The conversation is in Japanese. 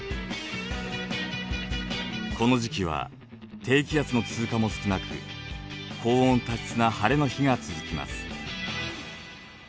この時期は低気圧の通過も少なく高温多湿な晴れの日が続きます。